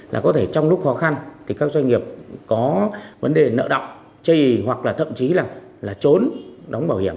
là có thể trong lúc khó khăn thì các doanh nghiệp có vấn đề nợ động chây hoặc là thậm chí là trốn đóng bảo hiểm